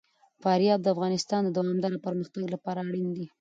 فاریاب د افغانستان د دوامداره پرمختګ لپاره اړین دي.